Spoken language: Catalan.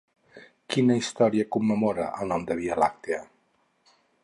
Quina història commemora el nom de Via làctia?